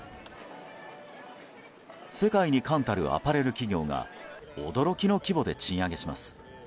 世界に冠たるアパレル企業が驚きの規模で賃上げします。